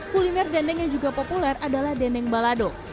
kuliner dendeng yang juga populer adalah dendeng balado